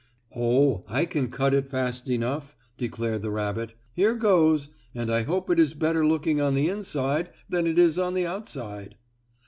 "Oh, I can cut it fast enough," declared the rabbit. "Here goes, and I hope it is better looking on the inside than it is on the outside."